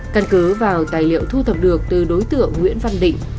căn cứ vào tài liệu thu thập được từ đối tượng nguyễn văn định